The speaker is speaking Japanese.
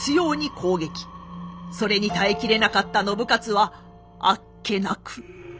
それに耐え切れなかった信雄はあっけなく。